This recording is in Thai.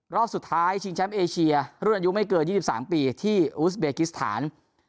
รอบสุดท้ายชิงแชมป์เอเชียรุ่นอายุไม่เกิน๒๓ปีที่อูสเบกิสถาน